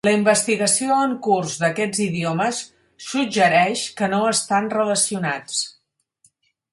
La investigació en curs d'aquests idiomes suggereix que no estan relacionats.